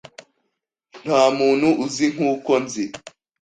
Ntamuntu uzi nkuko nzi .